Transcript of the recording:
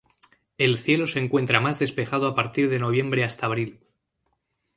El cielo se encuentra más despejado a partir de noviembre hasta abril.